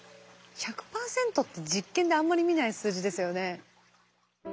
１００％って実験であんまり見ない数字ですよね。